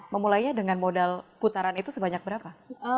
memulainya dengan modal putaran itu sebanyak berapa